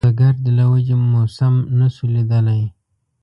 د ګرد له وجې مو سم نه شو ليدلی.